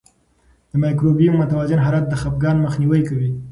د مایکروبیوم متوازن حالت د خپګان مخنیوی کوي.